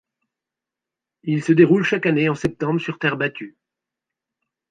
Il se déroule chaque année en septembre sur terre battue.